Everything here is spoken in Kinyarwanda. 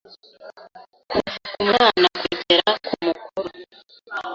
Kuva ku mwana kugera ku mukuru,